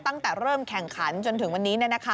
ตั้งแต่เริ่มแข่งขันจนถึงวันนี้